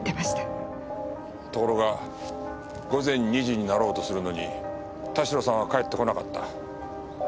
ところが午前２時になろうとするのに田代さんは帰ってこなかった。